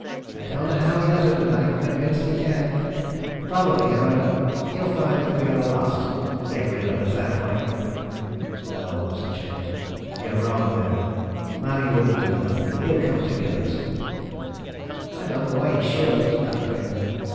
"I don't know how he does it, but I'm convinced he can. Probably, however, he'll find that we are lost and get rid of us that way." "No," said Chambers, "you're wrong there. Manning wouldn't do that. He'll come to get us." "I don't know why he should," snapped Craven.